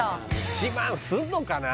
１万すんのかな？